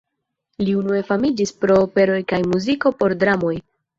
Li unue famiĝis pro operoj kaj muziko por dramoj.